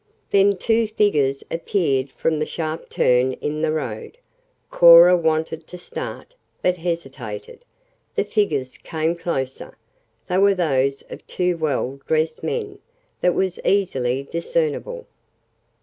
Then two figures appeared from the sharp turn in the road. Cora wanted to start, but hesitated. The figures came closer. They were those of two well dressed men; that was easily discernable.